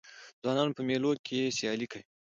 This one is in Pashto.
ځوانان په مېلو کښي سیالۍ کوي.